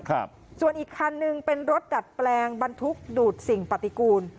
ครับส่วนอีกคันหนึ่งเป็นรถดัดแปลงบรรทุกดูดสิ่งปฏิกูล